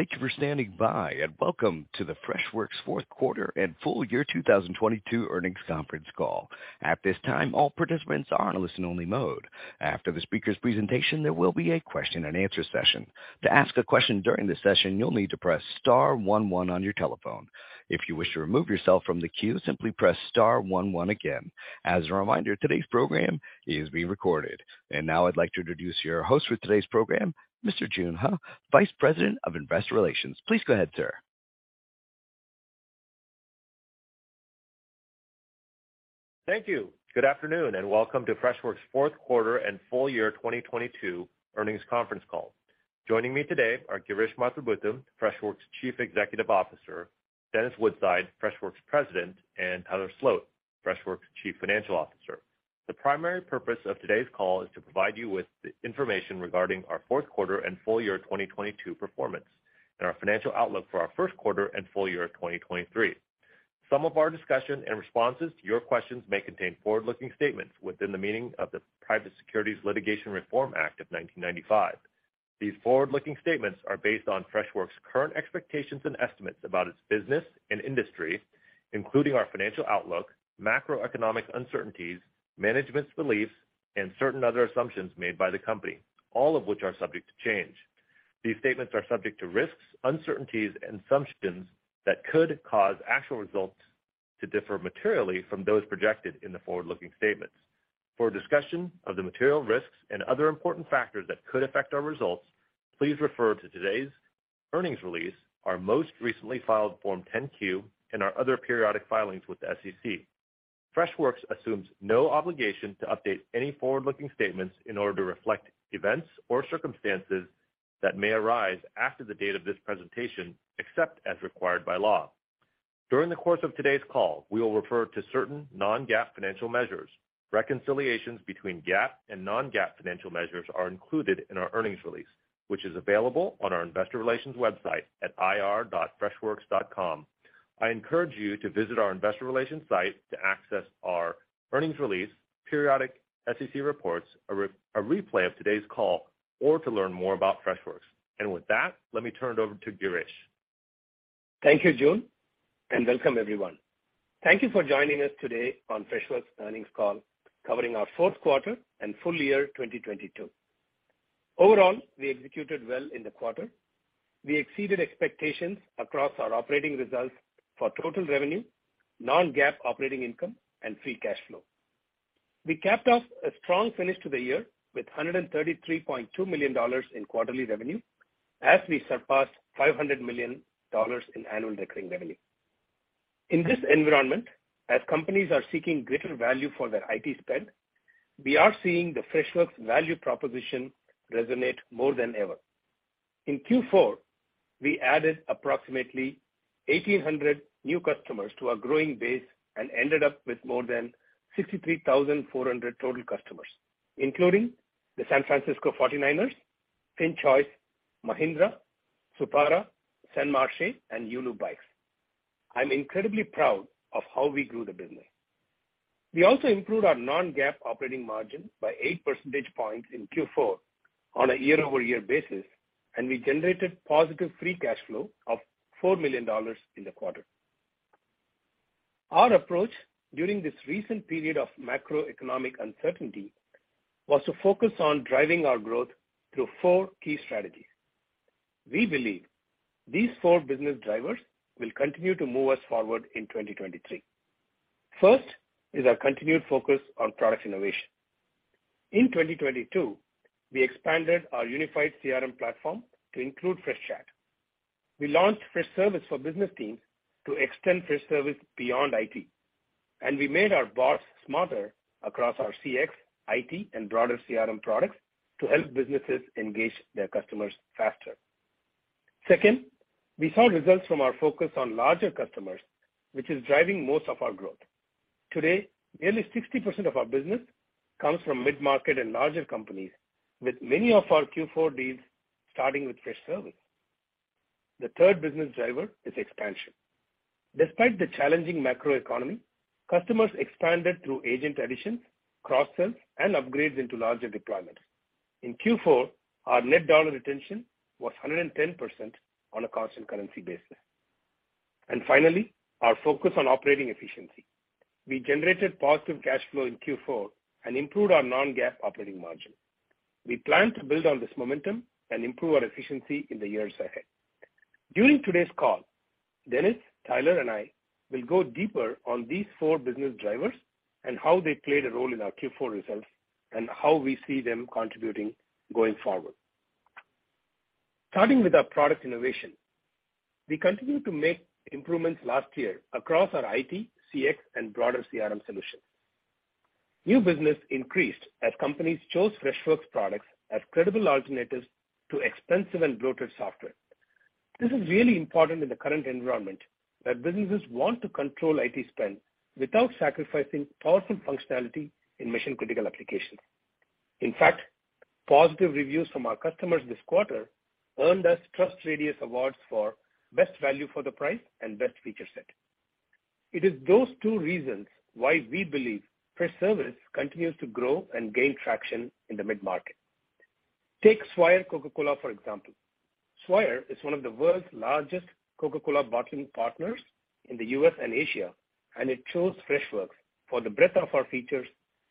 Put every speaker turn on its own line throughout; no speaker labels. Thank you for standing by. Welcome to the Freshworks' fourth quarter and full year 2022 earnings conference call. At this time, all participants are in a listen-only mode. After the speaker's presentation, there will be a question and answer session. To ask a question during the session, you'll need to press star one one on your telephone. If you wish to remove yourself from the queue, simply press star one one again. As a reminder, today's program is being recorded. Now I'd like to introduce your host for today's program, Mr. Joon Huh, Vice President of Investor Relations. Please go ahead, sir.
Thank you. Good afternoon, welcome to Freshworks' fourth quarter and full year 2022 earnings conference call. Joining me today are Girish Mathrubootham, Freshworks' Chief Executive Officer; Dennis Woodside, Freshworks' President; and Tyler Sloat, Freshworks' Chief Financial Officer. The primary purpose of today's call is to provide you with the information regarding our fourth quarter and full year 2022 performance and our financial outlook for our first quarter and full year 2023. Some of our discussion and responses to your questions may contain forward-looking statements within the meaning of the Private Securities Litigation Reform Act of 1995. These forward-looking statements are based on Freshworks' current expectations and estimates about its business and industry, including our financial outlook, macroeconomic uncertainties, management's beliefs, and certain other assumptions made by the company, all of which are subject to change. These statements are subject to risks, uncertainties, and assumptions that could cause actual results to differ materially from those projected in the forward-looking statements. For a discussion of the material risks and other important factors that could affect our results, please refer to today's earnings release, our most recently filed Form 10-Q, and our other periodic filings with the SEC. Freshworks assumes no obligation to update any forward-looking statements in order to reflect events or circumstances that may arise after the date of this presentation, except as required by law. During the course of today's call, we will refer to certain non-GAAP financial measures. Reconciliations between GAAP and non-GAAP financial measures are included in our earnings release, which is available on our investor relations website at ir.freshworks.com. I encourage you to visit our investor relations site to access our earnings release, periodic SEC reports, a replay of today's call, or to learn more about Freshworks. With that, let me turn it over to Girish.
Thank you, Joon, and welcome everyone. Thank you for joining us today on Freshworks earnings call covering our fourth quarter and full year 2022. Overall, we executed well in the quarter. We exceeded expectations across our operating results for total revenue, non-GAAP operating income, and free cash flow. We capped off a strong finish to the year with $133.2 million in quarterly revenue, as we surpassed $500 million in annual recurring revenue. In this environment, as companies are seeking greater value for their IT spend, we are seeing the Freshworks value proposition resonate more than ever. In Q4, we added approximately 1,800 new customers to our growing base and ended up with more than 63,400 total customers, including the San Francisco 49ers, FinChoice, Mahindra, Supara, St. Marche, and Yulu Bikes. I'm incredibly proud of how we grew the business. We also improved our non-GAAP operating margin by 8 percentage points in Q4 on a year-over-year basis. We generated positive free cash flow of $4 million in the quarter. Our approach during this recent period of macroeconomic uncertainty was to focus on driving our growth through four key strategies. We believe these four business drivers will continue to move us forward in 2023. First is our continued focus on product innovation. In 2022, we expanded our unified CRM platform to include Freshchat. We launched Freshservice for business teams to extend Freshservice beyond IT. We made our bots smarter across our CX, IT, and broader CRM products to help businesses engage their customers faster. Second, we saw results from our focus on larger customers, which is driving most of our growth. Today, nearly 60% of our business comes from mid-market and larger companies, with many of our Q4 deals starting with Freshservice. The third business driver is expansion. Despite the challenging macroeconomy, customers expanded through agent additions, cross-sells, and upgrades into larger deployments. In Q4, our net dollar retention was 110% on a constant currency basis. Finally, our focus on operating efficiency. We generated positive cash flow in Q4 and improved our non-GAAP operating margin. We plan to build on this momentum and improve our efficiency in the years ahead. During today's call, Dennis, Tyler, and I will go deeper on these four business drivers and how they played a role in our Q4 results, and how we see them contributing going forward. Starting with our product innovation, we continued to make improvements last year across our IT, CX, and broader CRM solutions. New business increased as companies chose Freshworks products as credible alternatives to expensive and bloated software. This is really important in the current environment that businesses want to control IT spend without sacrificing powerful functionality in mission-critical applications. In fact, positive reviews from our customers this quarter earned us TrustRadius Awards for Best Value for the Price and Best Feature Set. It is those two reasons why we believe Freshservice continues to grow and gain traction in the mid-market. Take Swire Coca-Cola, for example. Swire is one of the world's largest Coca-Cola bottling partners in the U.S. and Asia, and it chose Freshworks for the breadth of our features,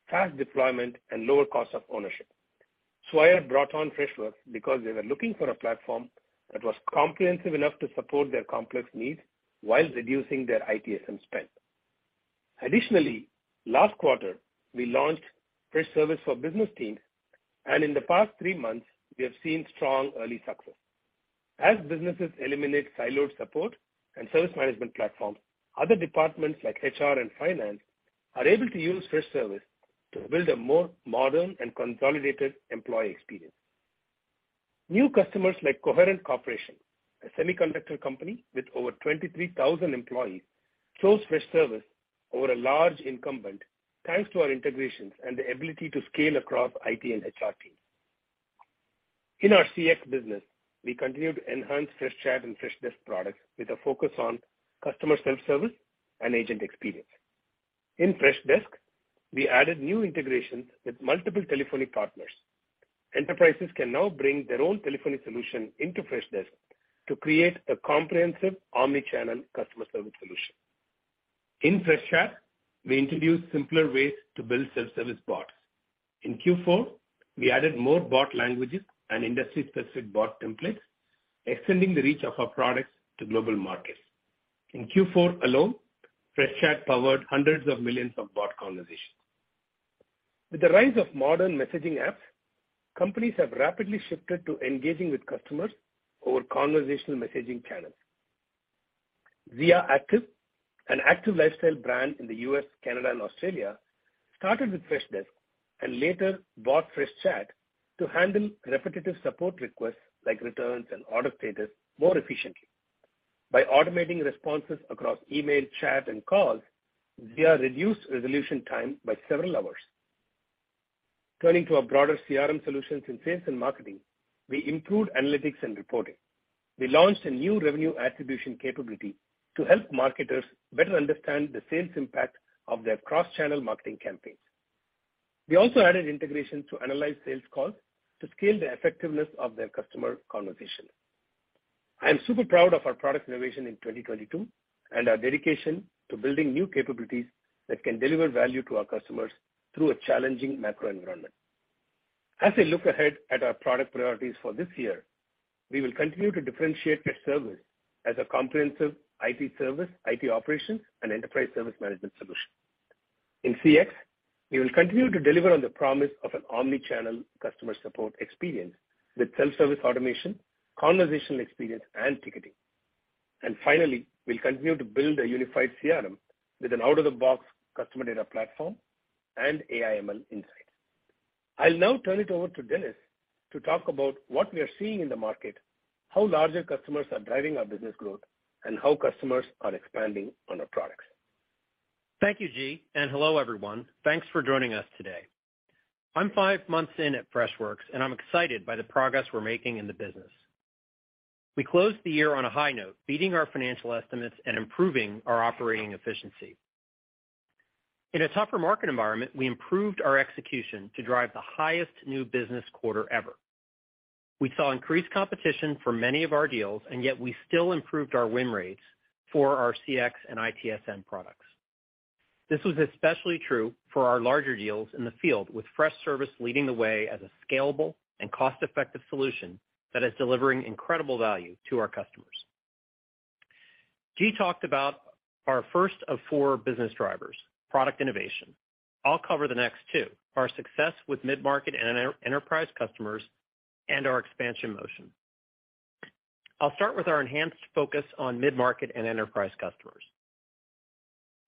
fast deployment, and lower cost of ownership. Swire brought on Freshworks because they were looking for a platform that was comprehensive enough to support their complex needs while reducing their ITSM spend. Last quarter, we launched Freshservice for business teams, and in the past three months, we have seen strong early success. As businesses eliminate siloed support and service management platforms, other departments like HR and finance are able to use Freshservice to build a more modern and consolidated employee experience. New customers like Coherent Corporation, a semiconductor company with over 23,000 employees, chose Freshservice over a large incumbent thanks to our integrations and the ability to scale across IT and HR teams. In our CX business, we continued to enhance Freshchat and Freshdesk products with a focus on customer self-service and agent experience. In Freshdesk, we added new integrations with multiple telephony partners. Enterprises can now bring their own telephony solution into Freshdesk to create a comprehensive omnichannel customer service solution. In Freshchat, we introduced simpler ways to build self-service bots. In Q4, we added more bot languages and industry-specific bot templates, extending the reach of our products to global markets. In Q4 alone, Freshchat powered hundreds of millions of bot conversations. With the rise of modern messaging apps, companies have rapidly shifted to engaging with customers over conversational messaging channels. Via [Active], an active lifestyle brand in the U.S., Canada and Australia, started with Freshdesk and later bought Freshchat to handle repetitive support requests like returns and order status more efficiently. By automating responses across email, chat, and calls, they reduced resolution time by several hours. Turning to our broader CRM solutions in sales and marketing, we improved analytics and reporting. We launched a new revenue attribution capability to help marketers better understand the sales impact of their cross-channel marketing campaigns. We also added integrations to analyze sales calls to scale the effectiveness of their customer conversation. I am super proud of our product innovation in 2022, and our dedication to building new capabilities that can deliver value to our customers through a challenging macro environment. As I look ahead at our product priorities for this year, we will continue to differentiate Freshservice as a comprehensive IT service, IT operations and enterprise service management solution. In CX, we will continue to deliver on the promise of an omnichannel customer support experience with self-service automation, conversational experience, and ticketing. Finally, we'll continue to build a unified CRM with an out-of-the-box customer data platform and AI ML insight. I'll now turn it over to Dennis to talk about what we are seeing in the market, how larger customers are driving our business growth, and how customers are expanding on our products.
Thank you, G. Hello, everyone. Thanks for joining us today. I'm five months in at Freshworks, and I'm excited by the progress we're making in the business. We closed the year on a high note, beating our financial estimates and improving our operating efficiency. In a tougher market environment, we improved our execution to drive the highest new business quarter ever. We saw increased competition for many of our deals, and yet we still improved our win rates for our CX and ITSM products. This was especially true for our larger deals in the field, with Freshservice leading the way as a scalable and cost-effective solution that is delivering incredible value to our customers. G talked about our first of four business drivers, product innovation. I'll cover the next two, our success with mid-market and enter-enterprise customers and our expansion motion. I'll start with our enhanced focus on mid-market and enterprise customers.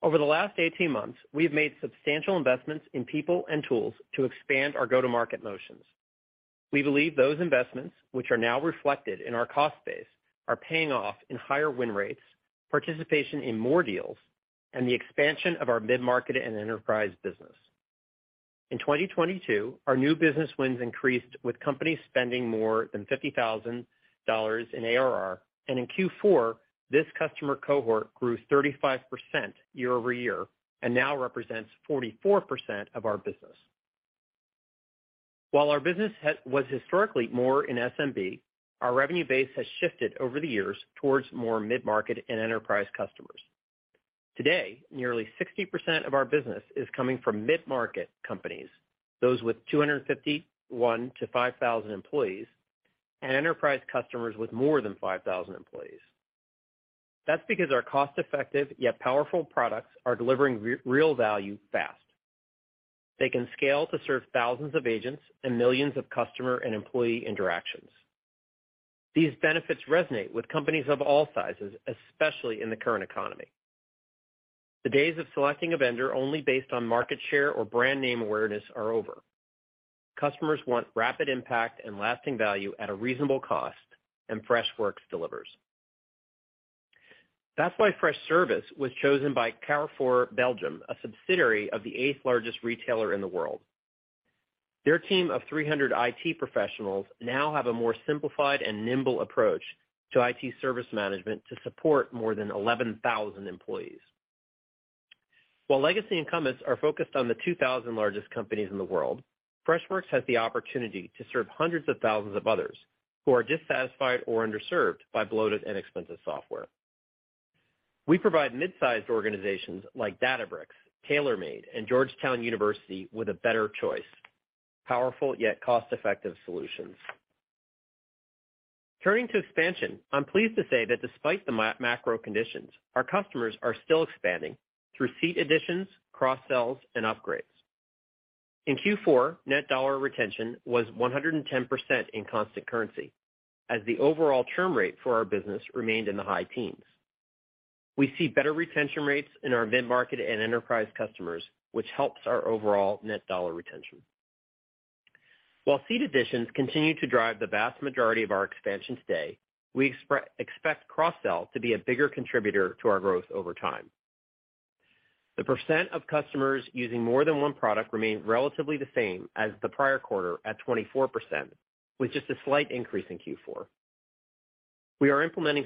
Over the last 18 months, we've made substantial investments in people and tools to expand our go-to-market motions. We believe those investments, which are now reflected in our cost base, are paying off in higher win rates, participation in more deals, and the expansion of our mid-market and enterprise business. In 2022, our new business wins increased with companies spending more than $50,000 in ARR, and in Q4, this customer cohort grew 35% year-over-year and now represents 44% of our business. While our business was historically more in SMB, our revenue base has shifted over the years towards more mid-market and enterprise customers. Today, nearly 60% of our business is coming from mid-market companies, those with 251-5,000 employees, and enterprise customers with more than 5,000 employees. That's because our cost-effective, yet powerful products are delivering real value fast. They can scale to serve thousands of agents and millions of customer and employee interactions. These benefits resonate with companies of all sizes, especially in the current economy. The days of selecting a vendor only based on market share or brand name awareness are over. Customers want rapid impact and lasting value at a reasonable cost, and Freshworks delivers. That's why Freshservice was chosen by Carrefour Belgium, a subsidiary of the eighth-largest retailer in the world. Their team of 300 IT professionals now have a more simplified and nimble approach to IT service management to support more than 11,000 employees. While legacy incumbents are focused on the 2,000 largest companies in the world, Freshworks has the opportunity to serve hundreds of thousands of others who are dissatisfied or underserved by bloated and expensive software. We provide mid-sized organizations like Databricks, TaylorMade, and Georgetown University with a better choice, powerful yet cost-effective solutions. Turning to expansion, I'm pleased to say that despite the macro conditions, our customers are still expanding through seat additions, cross-sells, and upgrades. In Q4, net dollar retention was 110% in constant currency as the overall churn rate for our business remained in the high teens. We see better retention rates in our mid-market and enterprise customers, which helps our overall net dollar retention. While seat additions continue to drive the vast majority of our expansion today, we expect cross-sell to be a bigger contributor to our growth over time. The percent of customers using more than one product remained relatively the same as the prior quarter at 24%, with just a slight increase in Q4. We are implementing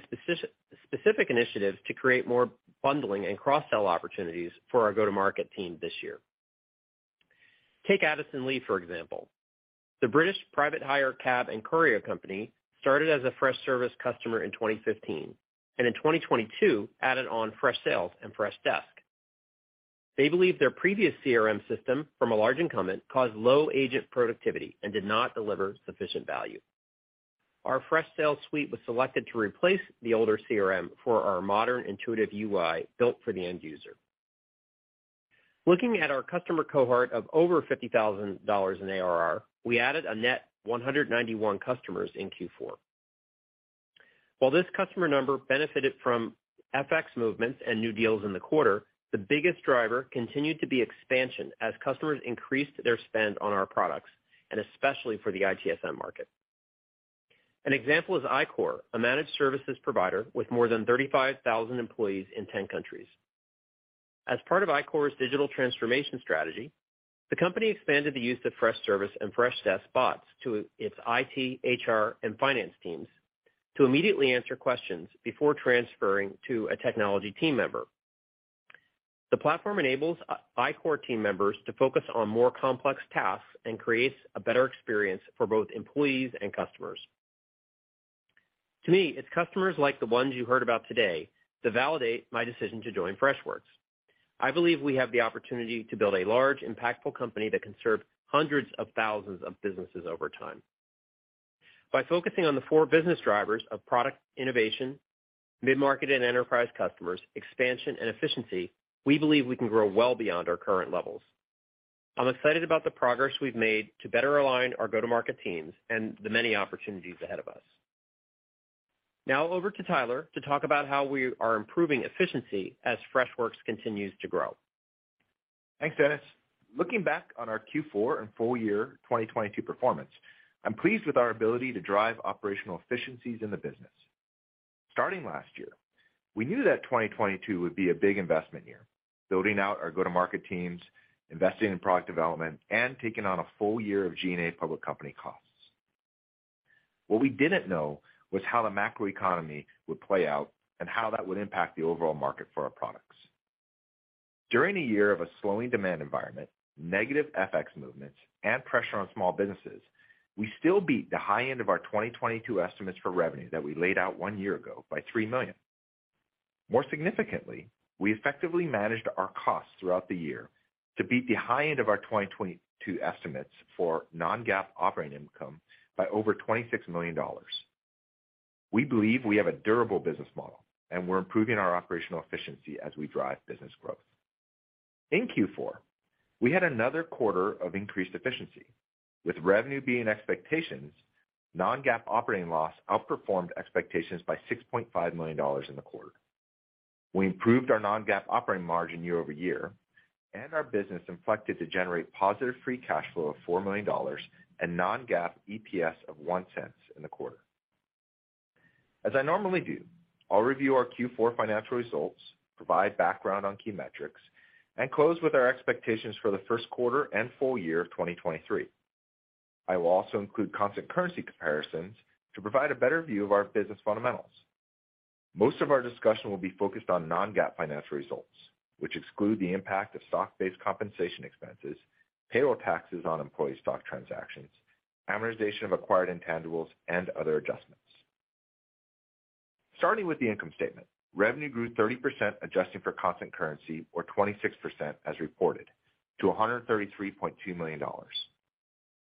specific initiatives to create more bundling and cross-sell opportunities for our go-to-market team this year. Take Addison Lee, for example. The British private hire cab and courier company started as a Freshservice customer in 2015, and in 2022 added on Freshsales and Freshdesk. They believe their previous CRM system from a large incumbent caused low agent productivity and did not deliver sufficient value. Our Freshsales Suite was selected to replace the older CRM for our modern intuitive UI built for the end user. Looking at our customer cohort of over $50,000 in ARR, we added a net 191 customers in Q4. While this customer number benefited from FX movements and new deals in the quarter, the biggest driver continued to be expansion as customers increased their spend on our products, and especially for the ITSM market. An example is iQor, a managed services provider with more than 35,000 employees in 10 countries. As part of iQor's digital transformation strategy, the company expanded the use of Freshservice and Freshdesk bots to its IT, HR, and finance teams to immediately answer questions before transferring to a technology team member. The platform enables iQor team members to focus on more complex tasks and creates a better experience for both employees and customers. To me, it's customers like the ones you heard about today that validate my decision to join Freshworks. I believe we have the opportunity to build a large, impactful company that can serve hundreds of thousands of businesses over time. By focusing on the four business drivers of product innovation, mid-market and enterprise customers, expansion, and efficiency, we believe we can grow well beyond our current levels. I'm excited about the progress we've made to better align our go-to-market teams and the many opportunities ahead of us. Now over to Tyler to talk about how we are improving efficiency as Freshworks continues to grow.
Thanks, Dennis. Looking back on our Q4 and full year 2022 performance, I'm pleased with our ability to drive operational efficiencies in the business. Starting last year, we knew that 2022 would be a big investment year, building out our go-to-market teams, investing in product development, and taking on a full year of G&A public company costs. What we didn't know was how the macroeconomy would play out and how that would impact the overall market for our products. During a year of a slowing demand environment, negative FX movements, and pressure on small businesses, we still beat the high end of our 2022 estimates for revenue that we laid out one year ago by $3 million. More significantly, we effectively managed our costs throughout the year to beat the high end of our 2022 estimates for non-GAAP operating income by over $26 million. We believe we have a durable business model, and we're improving our operational efficiency as we drive business growth. In Q4, we had another quarter of increased efficiency. With revenue being expectations, non-GAAP operating loss outperformed expectations by $6.5 million in the quarter. We improved our non-GAAP operating margin year-over-year, and our business inflected to generate positive free cash flow of $4 million and non-GAAP EPS of $0.01 in the quarter. As I normally do, I'll review our Q4 financial results, provide background on key metrics, and close with our expectations for the first quarter and full year of 2023. I will also include constant currency comparisons to provide a better view of our business fundamentals. Most of our discussion will be focused on non-GAAP financial results, which exclude the impact of stock-based compensation expenses, payroll taxes on employee stock transactions, amortization of acquired intangibles, and other adjustments. Starting with the income statement, revenue grew 30%, adjusting for constant currency or 26% as reported to $133.2 million.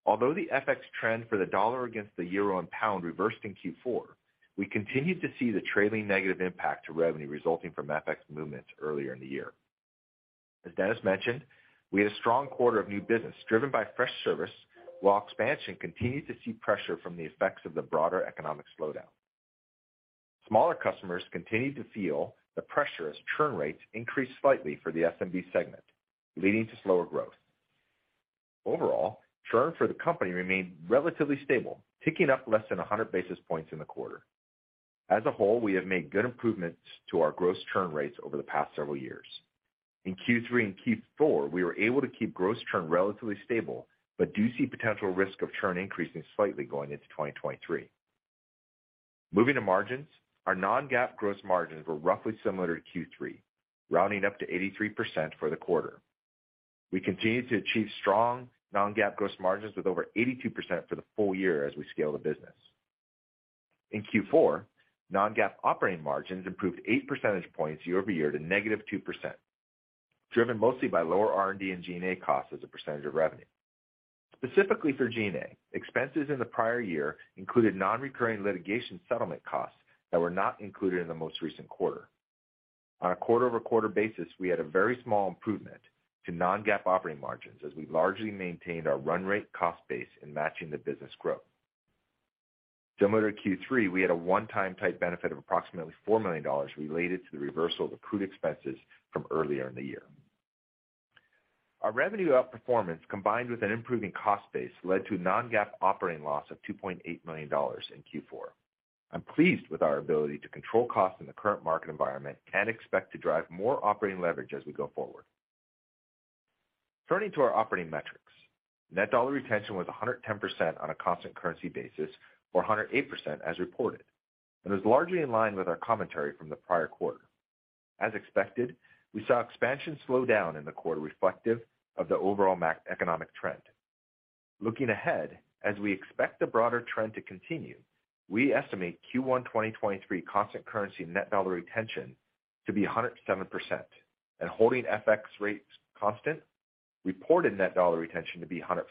Although the FX trend for the dollar against the euro and pound reversed in Q4, we continued to see the trailing negative impact to revenue resulting from FX movements earlier in the year. As Dennis mentioned, we had a strong quarter of new business driven by Freshservice, while expansion continued to see pressure from the effects of the broader economic slowdown. Smaller customers continued to feel the pressure as churn rates increased slightly for the SMB segment, leading to slower growth. Overall, churn for the company remained relatively stable, ticking up less than 100 basis points in the quarter. As a whole, we have made good improvements to our gross churn rates over the past several years. In Q3 and Q4, we were able to keep gross churn relatively stable, but do see potential risk of churn increasing slightly going into 2023. Moving to margins. Our non-GAAP gross margins were roughly similar to Q3, rounding up to 83% for the quarter. We continue to achieve strong non-GAAP gross margins with over 82% for the full year as we scale the business. In Q4, non-GAAP operating margins improved 8 percentage points year-over-year to -2%, driven mostly by lower R&D and G&A costs as a percentage of revenue. Specifically for G&A, expenses in the prior year included non-recurring litigation settlement costs that were not included in the most recent quarter. On a quarter-over-quarter basis, we had a very small improvement to non-GAAP operating margins as we largely maintained our run rate cost base in matching the business growth. Similar to Q3, we had a one-time type benefit of approximately $4 million related to the reversal of accrued expenses from earlier in the year. Our revenue outperformance, combined with an improving cost base, led to non-GAAP operating loss of $2.8 million in Q4. I'm pleased with our ability to control costs in the current market environment and expect to drive more operating leverage as we go forward. Turning to our operating metrics. Net dollar retention was 110% on a constant currency basis, or 108% as reported, and is largely in line with our commentary from the prior quarter. As expected, we saw expansion slow down in the quarter reflective of the overall economic trend. Looking ahead, as we expect the broader trend to continue, we estimate Q1 2023 constant currency net dollar retention to be 107% and holding FX rates constant, reported net dollar retention to be 105%.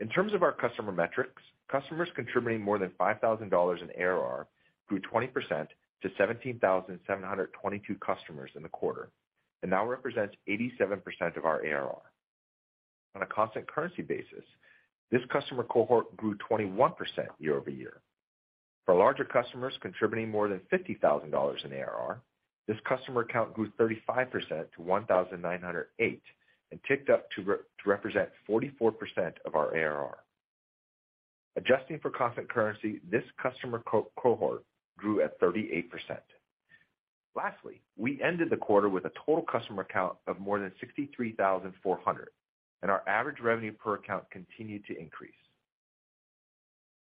In terms of our customer metrics, customers contributing more than $5,000 in ARR grew 20% to 17,722 customers in the quarter and now represents 87% of our ARR. On a constant currency basis, this customer cohort grew 21% year-over-year. For larger customers contributing more than $50,000 in ARR, this customer count grew 35% to 1,908 and ticked up to represent 44% of our ARR. Adjusting for constant currency, this customer cohort grew at 38%. Lastly, we ended the quarter with a total customer count of more than 63,400, and our average revenue per account continued to increase.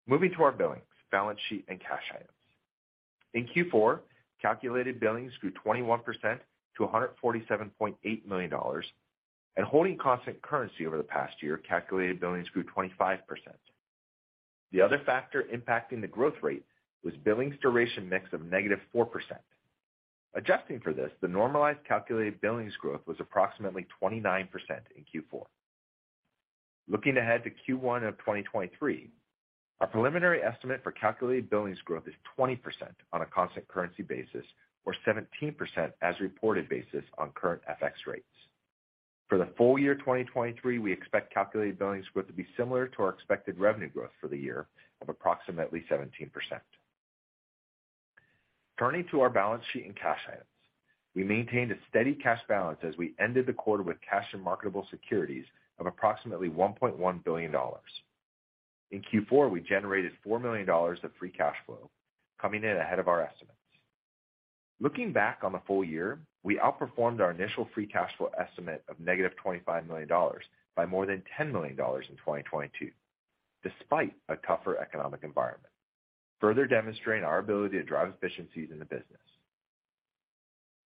Moving to our billings, balance sheet, and cash items. In Q4, calculated billings grew 21% to $147.8 million. Holding constant currency over the past year, calculated billings grew 25%. The other factor impacting the growth rate was billings duration mix of -4%. Adjusting for this, the normalized calculated billings growth was approximately 29% in Q4. Looking ahead to Q1 of 2023, our preliminary estimate for calculated billings growth is 20% on a constant currency basis or 17% as reported basis on current FX rates. For the full year 2023, we expect calculated billings growth to be similar to our expected revenue growth for the year of approximately 17%. Turning to our balance sheet and cash items. We maintained a steady cash balance as we ended the quarter with cash and marketable securities of approximately $1.1 billion. In Q4, we generated $4 million of free cash flow, coming in ahead of our estimates. Looking back on the full year, we outperformed our initial free cash flow estimate of -$25 million by more than $10 million in 2022, despite a tougher economic environment, further demonstrating our ability to drive efficiencies in the business.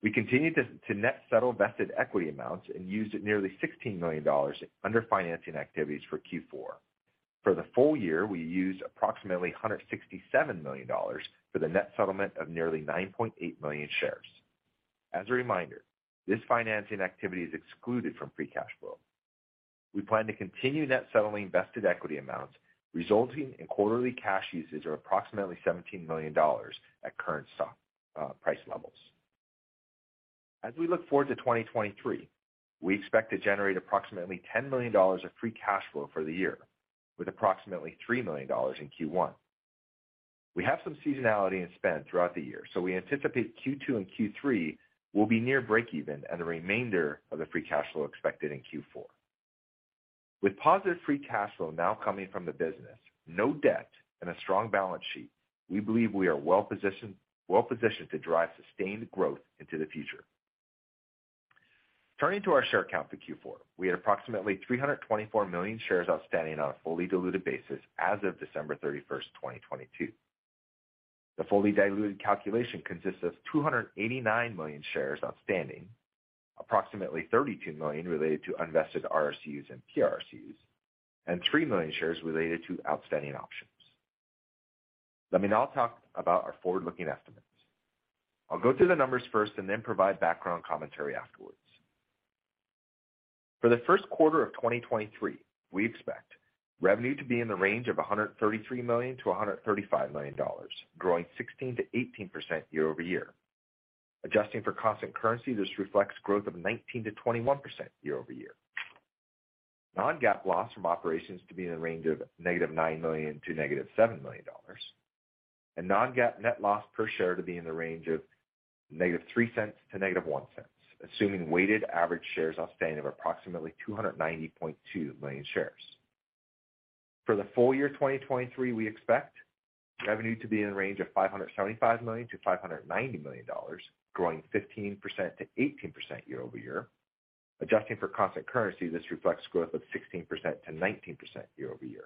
We continued to net settle vested equity amounts and used nearly $16 million under financing activities for Q4. For the full year, we used approximately $167 million for the net settlement of nearly 9.8 million shares. As a reminder, this financing activity is excluded from free cash flow. We plan to continue net settling vested equity amounts, resulting in quarterly cash usage of approximately $17 million at current stock price levels. As we look forward to 2023, we expect to generate approximately $10 million of free cash flow for the year, with approximately $3 million in Q1. We have some seasonality in spend throughout the year, so we anticipate Q2 and Q3 will be near break even and the remainder of the free cash flow expected in Q4. With positive free cash flow now coming from the business, no debt, and a strong balance sheet, we believe we are well-positioned to drive sustained growth into the future. Turning to our share count for Q4. We had approximately 324 million shares outstanding on a fully diluted basis as of December 31st, 2022. The fully diluted calculation consists of 289 million shares outstanding, approximately 32 million related to unvested RSUs and PRSUs, and 3 million shares related to outstanding options. Let me now talk about our forward-looking estimates. I'll go through the numbers first and then provide background commentary afterwards. For the first quarter of 2023, we expect revenue to be in the range of $133 million-$135 million, growing 16%-18% year-over-year. Adjusting for constant currency, this reflects growth of 19%-21% year-over-year. Non-GAAP loss from operations to be in the range of -$9 million to -$7 million. Non-GAAP net loss per share to be in the range of -$0.03 to -$0.01, assuming weighted average shares outstanding of approximately 290.2 million shares. For the full year 2023, we expect revenue to be in range of $575 million-$590 million, growing 15%-18% year-over-year. Adjusting for constant currency, this reflects growth of 16%-19% year-over-year.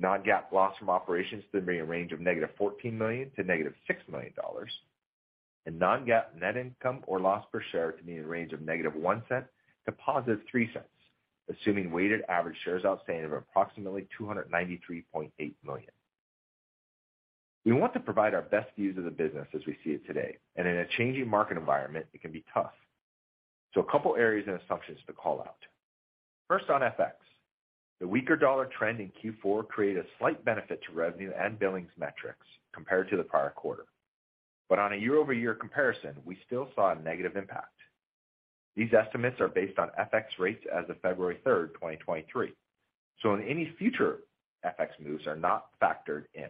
Non-GAAP loss from operations to be in a range of -$14 million to -$6 million. Non-GAAP net income or loss per share to be in a range of -$0.01 to +$0.03, assuming weighted average shares outstanding of approximately 293.8 million. We want to provide our best views of the business as we see it today, and in a changing market environment, it can be tough. A couple areas and assumptions to call out. First, on FX. The weaker dollar trend in Q4 created a slight benefit to revenue and billings metrics compared to the prior quarter. On a year-over-year comparison, we still saw a negative impact. These estimates are based on FX rates as of February 3rd, 2023, so any future FX moves are not factored in.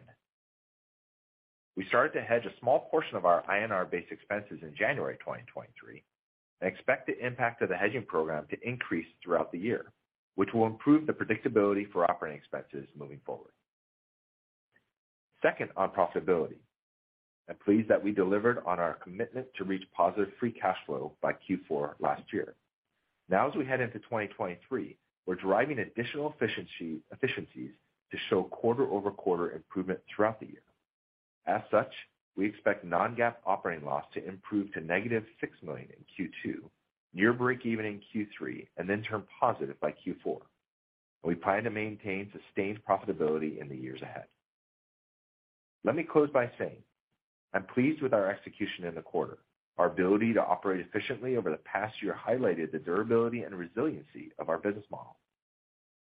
We started to hedge a small portion of our INR-based expenses in January 2023. We expect the impact of the hedging program to increase throughout the year, which will improve the predictability for operating expenses moving forward. Second, on profitability. I'm pleased that we delivered on our commitment to reach positive free cash flow by Q4 last year. Now, as we head into 2023, we're driving additional efficiencies to show quarter-over-quarter improvement throughout the year. As such, we expect non-GAAP operating loss to improve to -$6 million in Q2, near breakeven in Q3, and then turn positive by Q4. We plan to maintain sustained profitability in the years ahead. Let me close by saying I'm pleased with our execution in the quarter. Our ability to operate efficiently over the past year highlighted the durability and resiliency of our business model.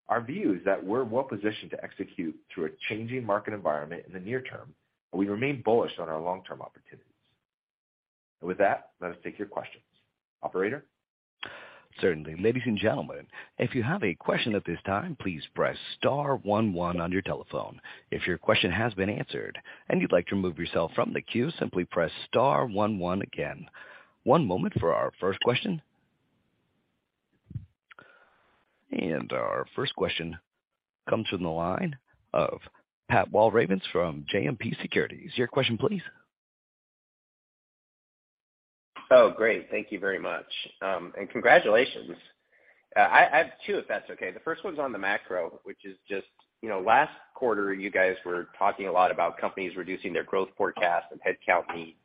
Our view is that we're well positioned to execute through a changing market environment in the near term, and we remain bullish on our long-term opportunities. With that, let us take your questions. Operator?
Certainly. Ladies and gentlemen, if you have a question at this time, please press star one one on your telephone. If your question has been answered and you'd like to remove yourself from the queue, simply press star one one again. One moment for our first question. Our first question comes from the line of Pat Walravens from JMP Securities. Your question please.
Oh, great. Thank you very much. Congratulations. I have two, if that's okay. The first one's on the macro, which is just, you know, last quarter, you guys were talking a lot about companies reducing their growth forecast and headcount needs,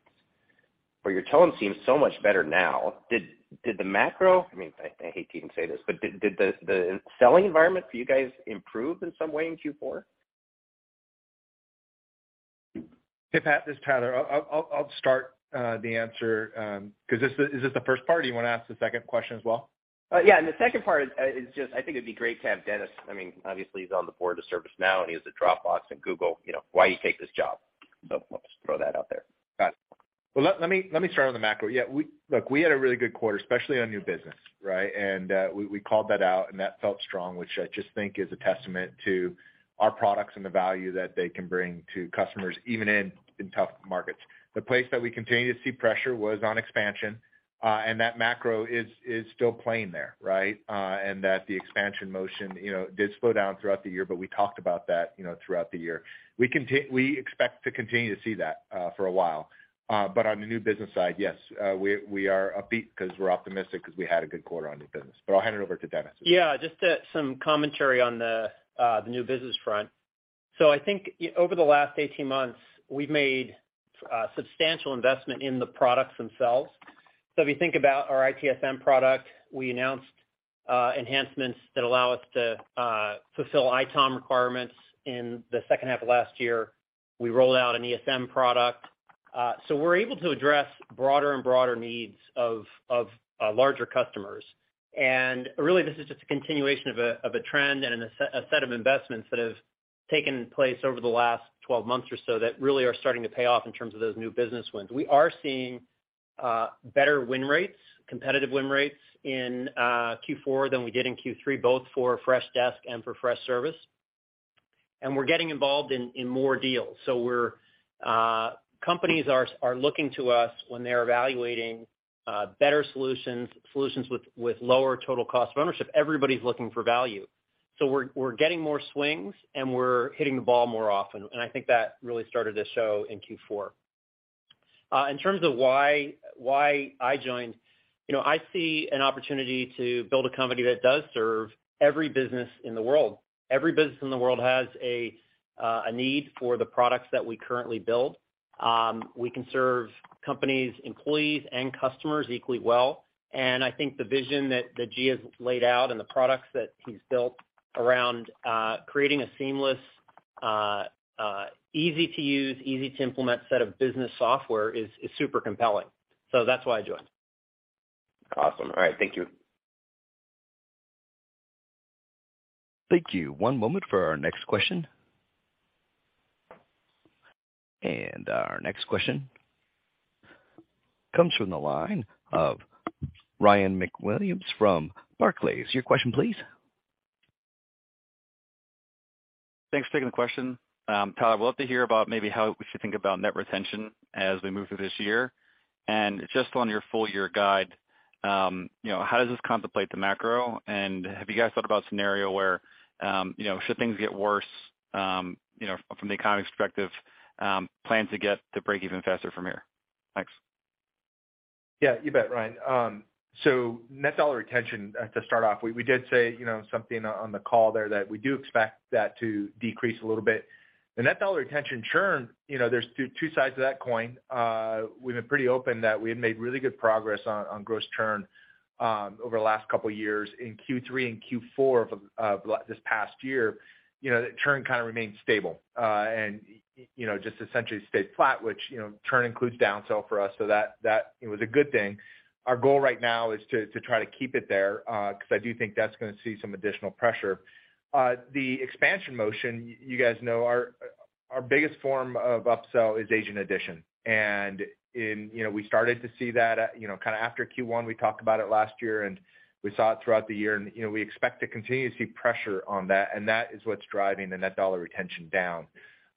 but your tone seems so much better now. Did the macro... I mean, I hate to even say this, but did the selling environment for you guys improve in some way in Q4?
Hey, Pat. This is Tyler. I'll start the answer. Is this the first part or you wanna ask the second question as well?
Yeah. The second part is just I think it'd be great to have Dennis. I mean, obviously he's on the board of ServiceNow, and he was at Dropbox and Google, you know, why he take this job? I'll just throw that out there.
Got it. Well, let me start on the macro. Look, we had a really good quarter, especially on new business, right? We called that out, and that felt strong, which I just think is a testament to our products and the value that they can bring to customers even in tough markets. The place that we continue to see pressure was on expansion, and that macro is still playing there, right? That the expansion motion, you know, did slow down throughout the year. We talked about that, you know, throughout the year. We expect to continue to see that for a while. On the new business side, yes, we are upbeat 'cause we're optimistic 'cause we had a good quarter on new business. I'll hand it over to Dennis.
Yeah. Just some commentary on the new business front. I think over the last 18 months, we've made substantial investment in the products themselves. If you think about our ITSM product, we announced enhancements that allow us to fulfill ITOM requirements. In the second half of last year, we rolled out an ESM product. We're able to address broader and broader needs of larger customers. Really, this is just a continuation of a trend and a set of investments that have taken place over the last 12 months or so that really are starting to pay off in terms of those new business wins. We are seeing better win rates, competitive win rates in Q4 than we did in Q3, both for Freshdesk and for Freshservice. We're getting involved in more deals. Companies are looking to us when they're evaluating better solutions with lower total cost of ownership. Everybody's looking for value. We're getting more swings, and we're hitting the ball more often, and I think that really started to show in Q4. In terms of why I joined, you know, I see an opportunity to build a company that does serve every business in the world. Every business in the world has a need for the products that we currently build. We can serve companies, employees, and customers equally well, and I think the vision that G has laid out and the products that he's built around creating a seamless easy to use, easy to implement set of business software is super compelling. That's why I joined.
Awesome. All right. Thank you.
Thank you. One moment for our next question. Our next question comes from the line of Ryan MacWilliams from Barclays. Your question please.
Thanks for taking the question. Tyler, I would love to hear about maybe how we should think about net retention as we move through this year. Just on your full year guide, you know, how does this contemplate the macro? Have you guys thought about a scenario where, you know, should things get worse, you know, from the economy perspective, you know, plan to get to break even faster from here? Thanks.
Yeah, you bet, Ryan. Net dollar retention, to start off, we did say, you know, something on the call there that we do expect that to decrease a little bit. The net dollar retention churn, you know, there's two sides to that coin. We've been pretty open that we had made really good progress on gross churn, over the last couple of years. In Q3 and Q4 of this past year, you know, the churn kind of remained stable. Just essentially stayed flat, which, you know, churn includes down sell for us, so that, you know, is a good thing. Our goal right now is to try to keep it there, 'cause I do think that's gonna see some additional pressure. The expansion motion, you guys know our biggest form of upsell is agent addition. You know, we started to see that, you know, kind of after Q1, we talked about it last year, and we saw it throughout the year. You know, we expect to continue to see pressure on that, and that is what's driving the net dollar retention down.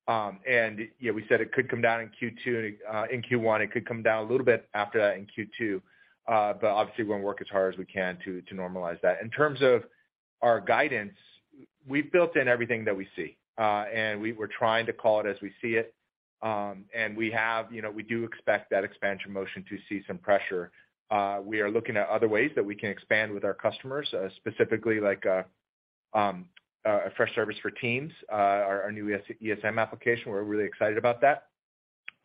Yeah, we said it could come down in Q2, in Q1. It could come down a little bit after that in Q2. Obviously we're gonna work as hard as we can to normalize that. In terms of our guidance, we've built in everything that we see. We're trying to call it as we see it. We have. You know, we do expect that expansion motion to see some pressure. We are looking at other ways that we can expand with our customers, specifically like Freshservice for business teams, our new ESM application. We're really excited about that.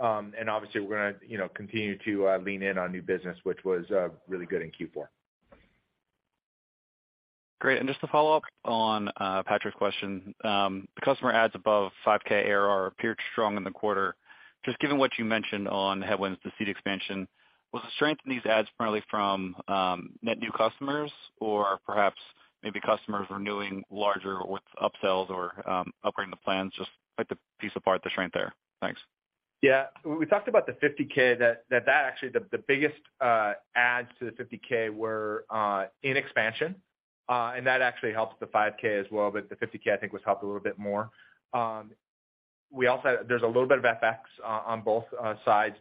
Obviously we're gonna, you know, continue to lean in on new business, which was really good in Q4.
Great. Just to follow up on Patrick's question, the customer adds above 5K ARR appeared strong in the quarter. Just given what you mentioned on headwinds to seed expansion, was the strength in these adds primarily from net new customers or perhaps maybe customers renewing larger with upsells or upgrading the plans? Just like to piece apart the strength there. Thanks.
Yeah. We talked about the $50,000 that actually the biggest add to the $50,000 were in expansion, and that actually helps the $5,000 as well, but the $50,000 I think was helped a little bit more. There's a little bit of FX on both sides.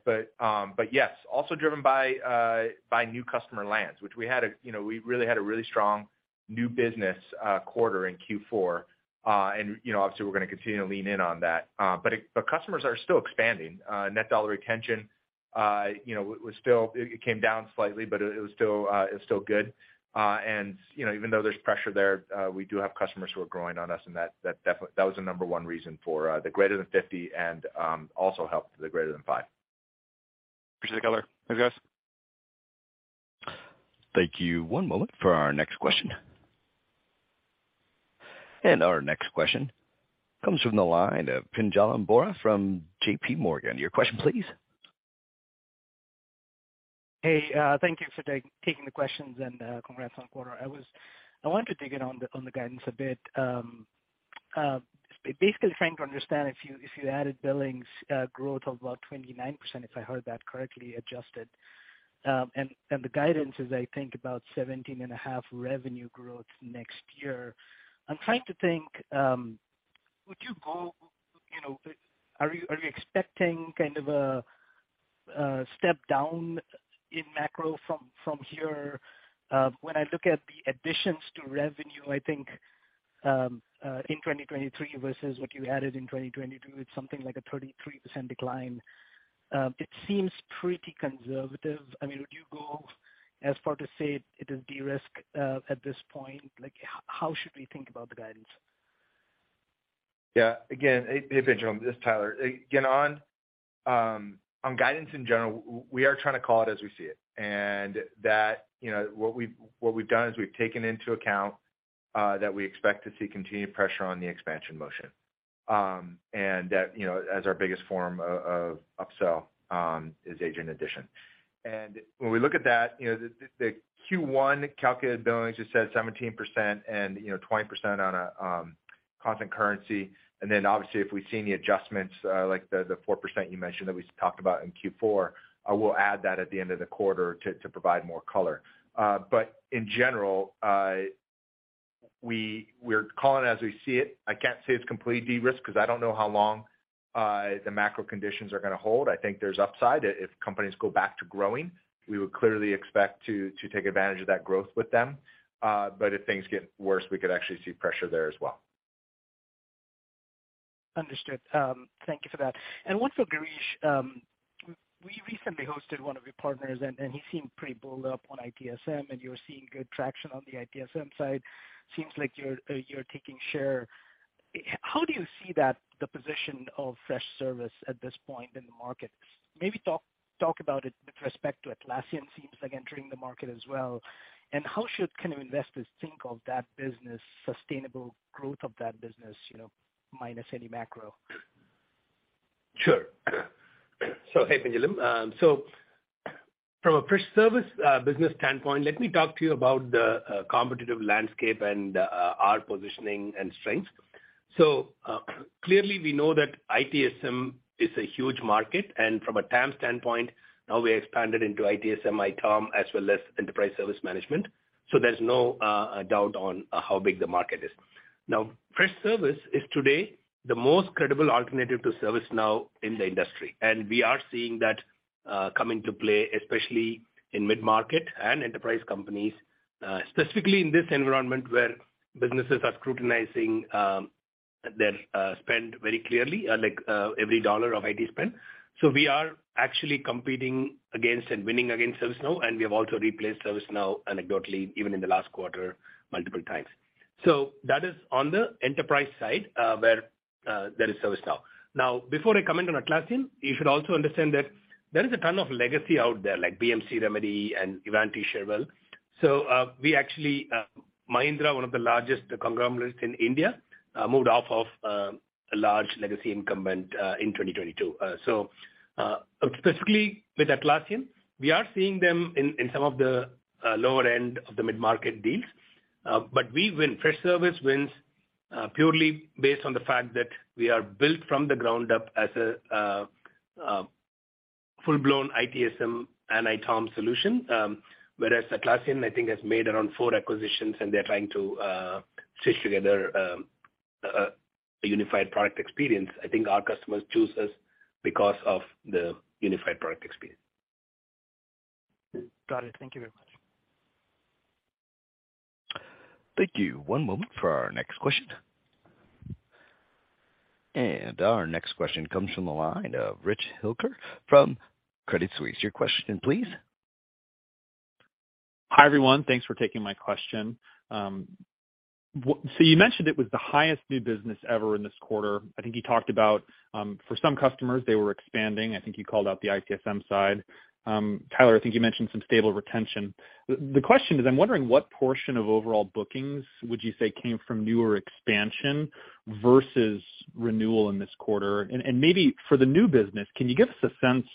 Yes, also driven by new customer lands. You know, we really had a really strong new business quarter in Q4. Obviously, we're gonna continue to lean in on that. Customers are still expanding. net dollar retention, you know, was still. It came down slightly, but it was still, it's still good. You know, even though there's pressure there, we do have customers who are growing on us, and that definitely that was the number one reason for the greater than $50,000 and also helped the greater than $5,000.
Appreciate the color. Thanks, guys.
Thank you. One moment for our next question. Our next question comes from the line of Pinjalim Bora from JPMorgan. Your question, please.
Hey, thank you for taking the questions and congrats on the quarter. I wanted to dig in on the guidance a bit. basically trying to understand if you added billings growth of about 29%, if I heard that correctly adjusted. The guidance is I think about 17.5% revenue growth next year. I'm trying to think, would you go, you know, Are you expecting kind of a step down in macro from here? When I look at the additions to revenue, I think, in 2023 versus what you added in 2022, it's something like a 33% decline. It seems pretty conservative. I mean, would you go as far to say it is de-risk at this point? Like, how should we think about the guidance?
Yeah. Again, hey, Pinjalim, this is Tyler. Again, on guidance in general, we are trying to call it as we see it. You know, what we've, what we've done is we've taken into account that we expect to see continued pressure on the expansion motion. That, you know, as our biggest form of upsell, is agent addition. When we look at that, you know, the Q1 calculated billings, it says 17% and, you know, 20% on a constant currency. Obviously, if we've seen the adjustments, like the 4% you mentioned that we talked about in Q4, we'll add that at the end of the quarter to provide more color. In general, we're calling it as we see it. I can't say it's completely de-risk 'cause I don't know how long the macro conditions are gonna hold. I think there's upside. If companies go back to growing, we would clearly expect to take advantage of that growth with them. If things get worse, we could actually see pressure there as well.
Understood. Thank you for that. One for Girish. We recently hosted one of your partners, and he seemed pretty bulled up on ITSM, and you're seeing good traction on the ITSM side. Seems like you're taking share. How do you see that, the position of Freshservice at this point in the market? Maybe talk about it with respect to Atlassian seems like entering the market as well. How should kind of investors think of that business, sustainable growth of that business, you know, minus any macro?
Sure. Hey, Pinjalim. From a Freshservice, business standpoint, let me talk to you about the competitive landscape and our positioning and strengths. Clearly, we know that ITSM is a huge market, and from a TAM standpoint, now we expanded into ITSM, ITOM, as well as enterprise service management. There's no doubt on how big the market is. Freshservice is today the most credible alternative to ServiceNow in the industry, and we are seeing that come into play, especially in mid-market and enterprise companies, specifically in this environment where businesses are scrutinizing their spend very clearly, like every dollar of IT spend. We are actually competing against and winning against ServiceNow, and we have also replaced ServiceNow anecdotally, even in the last quarter, multiple times. That is on the enterprise side, where there is ServiceNow. Now, before I comment on Atlassian, you should also understand that there is a ton of legacy out there like BMC Remedy and Ivanti, Cherwell. We actually, Mahindra, one of the largest conglomerates in India, moved off of a large legacy incumbent in 2022. Specifically with Atlassian, we are seeing them in some of the lower end of the mid-market deals. We win. Freshservice wins purely based on the fact that we are built from the ground up as a full-blown ITSM and ITOM solution. Whereas Atlassian, I think, has made around four acquisitions and they're trying to stitch together a unified product experience. I think our customers choose us because of the unified product experience.
Got it. Thank you very much.
Thank you. One moment for our next question. Our next question comes from the line of Rich Hilliker from Credit Suisse. Your question, please.
Hi, everyone. Thanks for taking my question. So you mentioned it was the highest new business ever in this quarter. I think you talked about for some customers, they were expanding. I think you called out the ITSM side. Tyler, I think you mentioned some stable retention. The question is, I'm wondering what portion of overall bookings would you say came from newer expansion versus renewal in this quarter? Maybe for the new business, can you give us a sense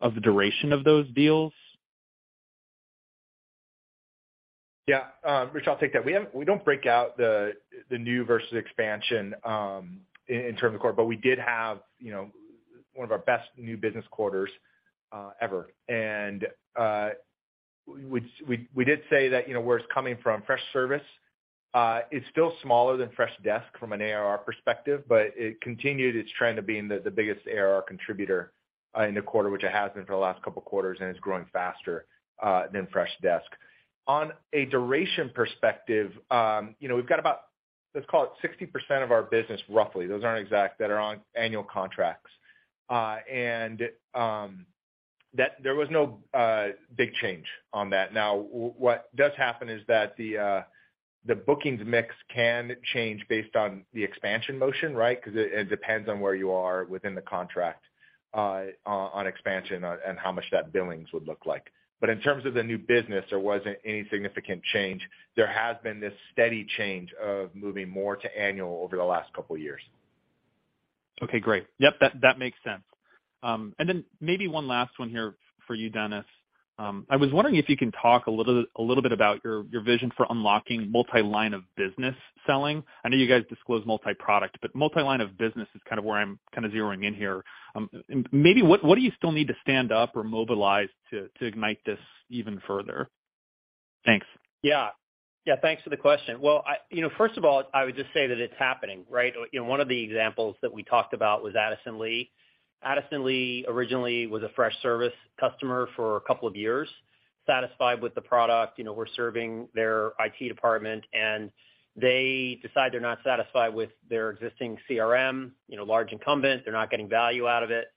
of the duration of those deals?
Rich, I'll take that. We don't break out the new versus expansion in terms of quarter, but we did have, you know, one of our best new business quarters ever. We did say that, you know, where it's coming from Freshservice is still smaller than Freshdesk from an ARR perspective, but it continued its trend of being the biggest ARR contributor in the quarter, which it has been for the last couple quarters, and it's growing faster than Freshdesk. On a duration perspective, you know, we've got about, let's call it 60% of our business, roughly, those aren't exact, that are on annual contracts. That there was no big change on that. What does happen is that the bookings mix can change based on the expansion motion, right? 'Cause it depends on where you are within the contract on expansion and how much that billings would look like. In terms of the new business, there wasn't any significant change. There has been this steady change of moving more to annual over the last couple years.
Okay, great. Yep, that makes sense. Maybe one last one here for you, Dennis. I was wondering if you can talk a little bit about your vision for unlocking multi-line of business selling. I know you guys disclose multi-product, but multi-line of business is kind of where I'm zeroing in here. Maybe what do you still need to stand up or mobilize to ignite this even further? Thanks.
Yeah. Yeah, thanks for the question. Well, you know, first of all, I would just say that it's happening, right? You know, one of the examples that we talked about was Addison Lee. Addison Lee originally was a Freshservice customer for a couple of years, satisfied with the product. You know, we're serving their IT department, they decide they're not satisfied with their existing CRM, you know, large incumbent, they're not getting value out of it,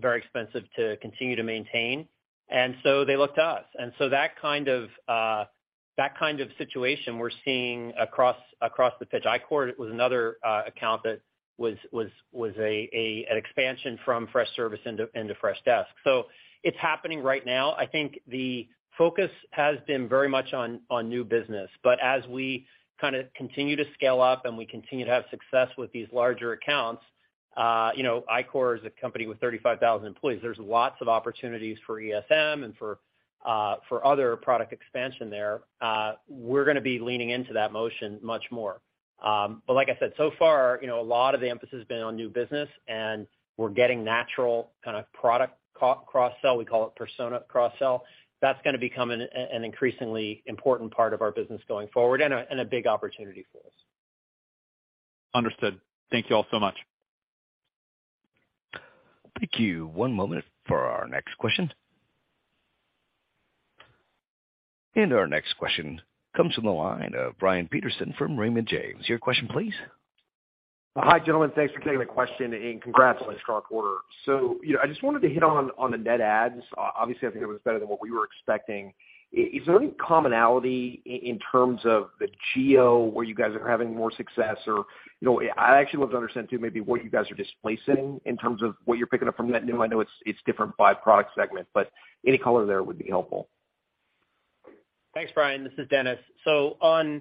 very expensive to continue to maintain, they look to us. That kind of, that kind of situation we're seeing across the pitch. iQor was another account that was an expansion from Freshservice into Freshdesk. It's happening right now. I think the focus has been very much on new business. As we kinda continue to scale up and we continue to have success with these larger accounts, you know, iQor is a company with 35,000 employees. There's lots of opportunities for ESM and for other product expansion there. We're gonna be leaning into that motion much more. Like I said, so far, you know, a lot of the emphasis has been on new business, and we're getting natural kinda product co-cross-sell, we call it persona cross-sell. That's gonna become an increasingly important part of our business going forward and a big opportunity for us.
Understood. Thank you all so much.
Thank you. One moment for our next question. Our next question comes from the line of Brian Peterson from Raymond James. Your question, please.
Hi, gentlemen. Thanks for taking the question, and congrats on a strong quarter. You know, I just wanted to hit on the net adds. Obviously, I think it was better than what we were expecting. Is there any commonality in terms of the geo where you guys are having more success or, you know? I actually would love to understand, too, maybe what you guys are displacing in terms of what you're picking up from net new. I know it's different by product segment, but any color there would be helpful.
Thanks, Brian. This is Dennis. On,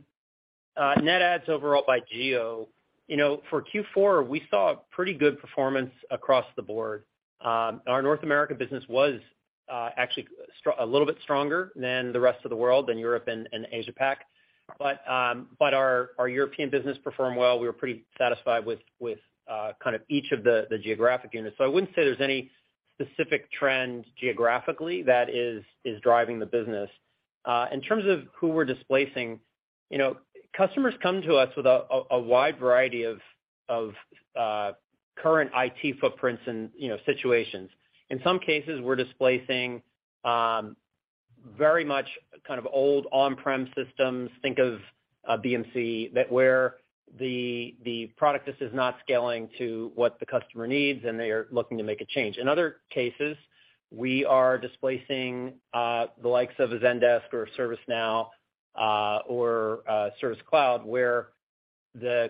net adds overall by geo, you know, for Q4, we saw pretty good performance across the board. Our North America business was actually a little bit stronger than the rest of the world, than Europe and Asia-Pac. Our European business performed well. We were pretty satisfied with kind of each of the geographic units. I wouldn't say there's any specific trend geographically that is driving the business. In terms of who we're displacing, you know, customers come to us with a wide variety of current IT footprints and, you know, situations. In some cases, we're displacing very much kind of old on-prem systems, think of BMC, that where the product just is not scaling to what the customer needs, and they are looking to make a change. In other cases, we are displacing the likes of a Zendesk or a ServiceNow or a Service Cloud, where the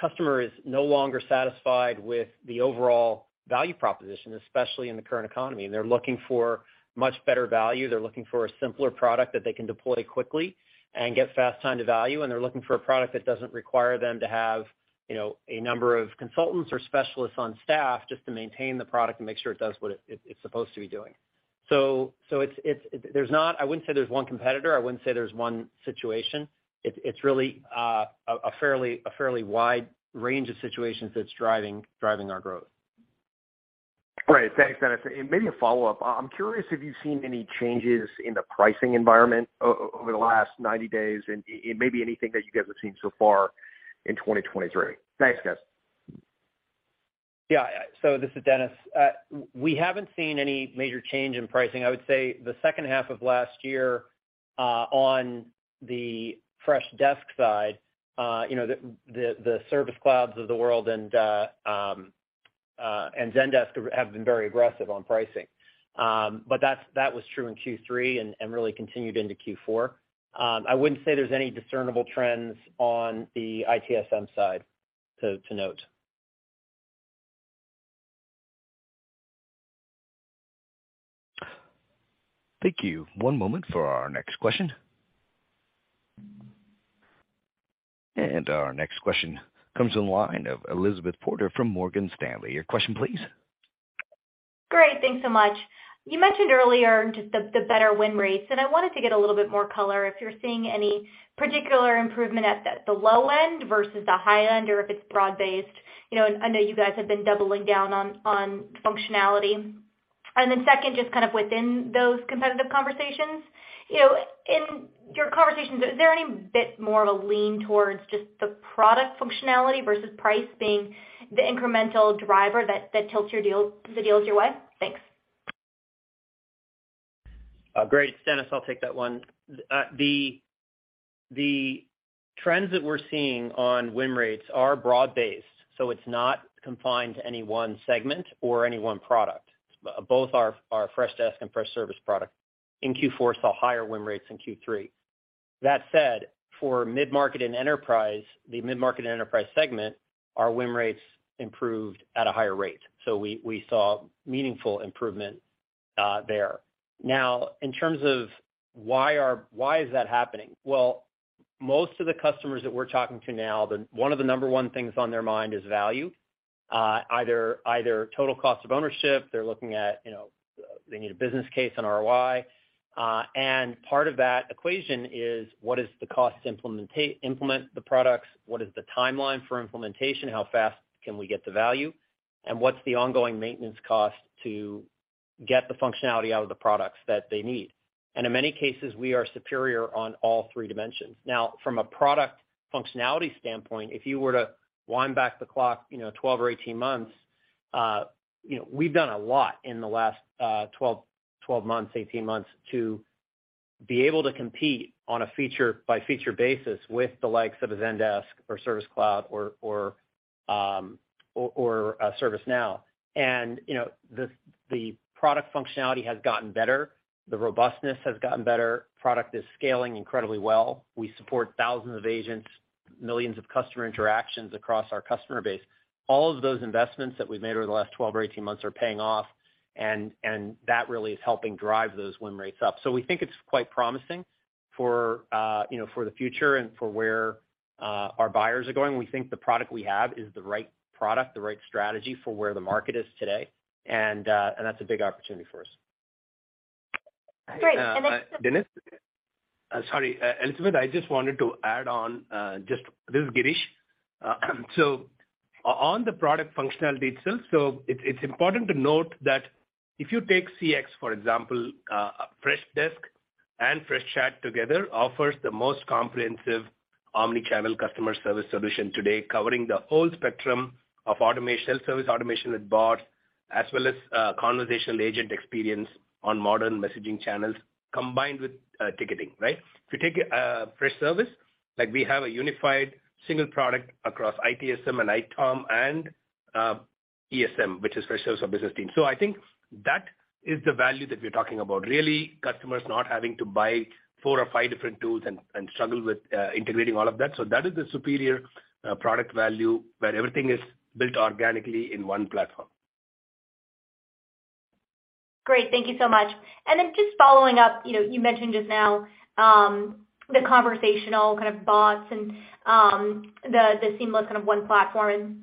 customer is no longer satisfied with the overall value proposition, especially in the current economy. They're looking for much better value. They're looking for a simpler product that they can deploy quickly and get fast time to value. They're looking for a product that doesn't require them to have, you know, a number of consultants or specialists on staff just to maintain the product and make sure it does what it's supposed to be doing. There's not... I wouldn't say there's one competitor. I wouldn't say there's one situation. It's really a fairly wide range of situations that's driving our growth.
Great. Thanks, Dennis. Maybe a follow-up. I'm curious if you've seen any changes in the pricing environment over the last 90 days and maybe anything that you guys have seen so far in 2023. Thanks, guys.
Yeah. This is Dennis. We haven't seen any major change in pricing. I would say the second half of last year, on the Freshdesk side, you know, the Service Clouds of the world and Zendesk have been very aggressive on pricing. That was true in Q3 and really continued into Q4. I wouldn't say there's any discernible trends on the ITSM side to note.
Thank you. One moment for our next question. Our next question comes on the line of Elizabeth Porter from Morgan Stanley. Your question, please.
Great. Thanks so much. You mentioned earlier just the better win rates, and I wanted to get a little bit more color if you're seeing any particular improvement at the low end versus the high end or if it's broad-based. You know, I know you guys have been doubling down on functionality. Second, just kind of within those competitive conversations, you know, in your conversations, is there any bit more of a lean towards just the product functionality versus price being the incremental driver that tilts your deals, the deals your way? Thanks.
Great. It's Dennis. I'll take that one. The trends that we're seeing on win rates are broad-based, so it's not confined to any one segment or any one product. Both our Freshdesk and Freshservice product in Q4 saw higher win rates than Q3. That said, for mid-market and enterprise, the mid-market and enterprise segment, our win rates improved at a higher rate. We saw meaningful improvement there. In terms of why is that happening? Most of the customers that we're talking to now, one of the number one things on their mind is value, either total cost of ownership. They're looking at, you know, they need a business case on ROI. Part of that equation is what is the cost to implement the products? What is the timeline for implementation? How fast can we get the value? What's the ongoing maintenance cost to get the functionality out of the products that they need? In many cases, we are superior on all three dimensions. Now, from a product functionality standpoint, if you were to wind back the clock, you know, 12 or 18 months, you know, we've done a lot in the last 12 months, 18 months to be able to compete on a feature by feature basis with the likes of a Zendesk or Service Cloud or a ServiceNow. You know, the product functionality has gotten better. The robustness has gotten better. Product is scaling incredibly well. We support thousands of agents, millions of customer interactions across our customer base. All of those investments that we've made over the last 12 or 18 months are paying off, and that really is helping drive those win rates up. We think it's quite promising for, you know, for the future and for where our buyers are going. We think the product we have is the right product, the right strategy for where the market is today, and that's a big opportunity for us.
Great.
Dennis. Sorry, Elizabeth, I just wanted to add on. This is Girish. On the product functionality itself, it's important to note that if you take CX, for example, Freshdesk and Freshchat together offers the most comprehensive omnichannel customer service solution today, covering the whole spectrum of automation, self-service automation with bots, as well as conversational agent experience on modern messaging channels combined with ticketing, right? If you take Freshservice, like we have a unified single product across ITSM and ITOM and ESM, which is Freshservice Business Team. I think that is the value that we're talking about, really, customers not having to buy four or five different tools and struggle with integrating all of that. That is the superior product value where everything is built organically in one platform.
Great. Thank you so much. Just following up, you know, you mentioned just now, the conversational kind of bots and the seamless kind of one platform.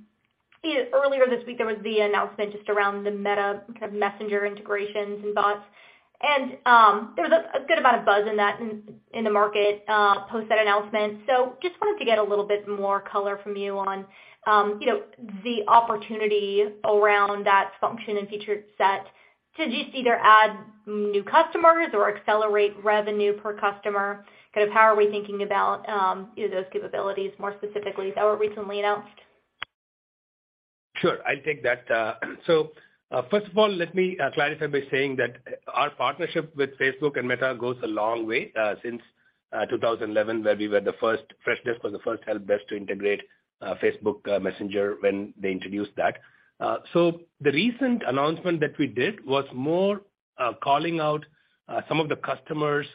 Earlier this week, there was the announcement just around the Meta Messenger integrations and bots. There was a good amount of buzz in the market, post that announcement. Just wanted to get a little bit more color from you on, you know, the opportunity around that function and feature set to just either add new customers or accelerate revenue per customer. Kind of how are we thinking about, you know, those capabilities more specifically that were recently announced?
Sure. I'll take that. First of all, let me clarify by saying that our partnership with Facebook and Meta goes a long way, since 2011, where we were the first, Freshdesk was the first helpdesk to integrate Facebook Messenger when they introduced that. The recent announcement that we did was more calling out some of the customers'